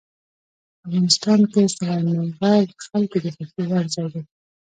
په افغانستان کې سلیمان غر د خلکو د خوښې وړ ځای دی.